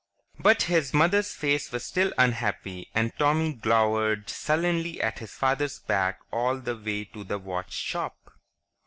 But his mother's face was still unhappy and Tommy glowered sullenly at his father's back all the way to the watch shop.